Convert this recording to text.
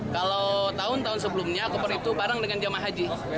kalau tahun tahun sebelumnya koper itu bareng dengan jemaah haji